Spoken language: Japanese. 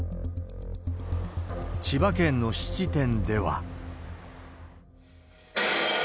千葉県の質店では。